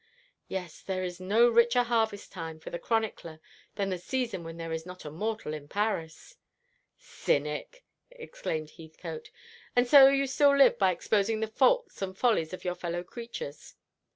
Yes, there is no richer harvest time for the chronicler than the season when there is not a mortal in Paris." "Cynic!" exclaimed Heathcote. "And so you still live by exposing the faults and follies of your fellow creatures."